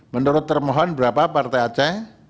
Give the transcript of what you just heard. menurut termohon berapa partai aceh